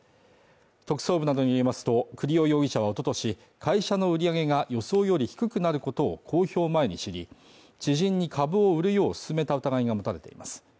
特捜部などによりますと、栗尾容疑者はおととし会社の売り上げが予想より低くなることを公表前に知り、知人に株を売るようすすめた疑いが持たれています。